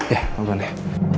ya maaf pelan deh